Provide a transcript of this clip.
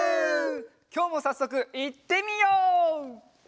きょうもさっそくいってみよう！